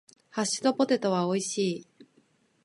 ハッシュドポテトは美味しい。